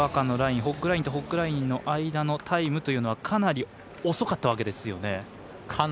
ホッグラインとホッグラインの間のタイムというのはかなり遅かったわけですよね。